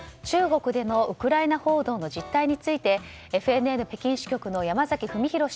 中国でのウクライナ報道の実態についてＦＮＮ北京支局の山崎文博